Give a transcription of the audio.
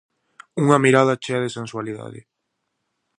Unha mirada chea de sensualidade.